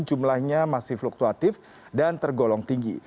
jumlahnya masih fluktuatif dan tergolong tinggi